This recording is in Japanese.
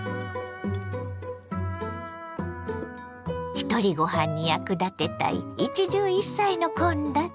ひとりごはんに役立てたい一汁一菜の献立。